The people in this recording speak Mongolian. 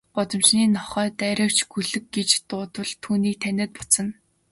Гудамжны нохой дайравч, гөлөг гэж дуудвал түүнийг таниад буцна.